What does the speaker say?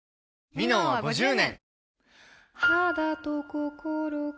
「ミノン」は５０年！